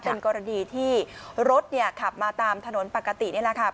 เป็นกรณีที่รถขับมาตามถนนปกตินี่แหละครับ